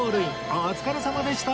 お疲れさまでした！